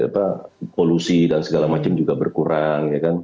polusi dan segala macam juga berkurang